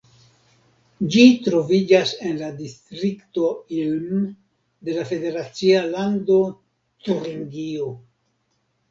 Ĝi troviĝas en la distrikto Ilm de la federacia lando Turingio.